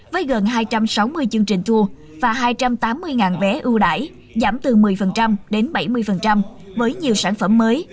với gần hai trăm sáu mươi chương trình tour và hai trăm tám mươi vé ưu đải giảm từ một mươi đến bảy mươi với nhiều sản phẩm mới